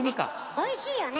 おいしいよね。